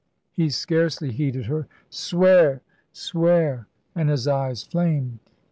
He scarcely heeded her. "Swear! Swear!" and his eyes flamed.